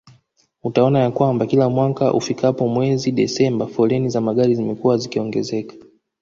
Utaona ya kwamba kila mwaka ufikapo mwezi Desemba foleni za magari zimekuwa zikiongezeka